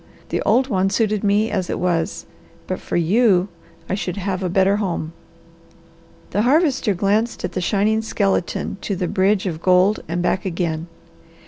The old one suited me as it was; but for you I should have a better home." The Harvester glanced from the shining skeleton to the bridge of gold and back again.